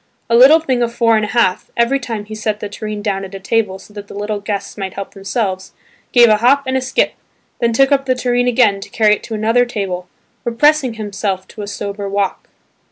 A little thing of four and a half, every time he set the tureen down on a table so that the little guests might help themselves, gave a hop and a skip, then took up the tureen again to carry it to another table, repressing himself to a sober walk.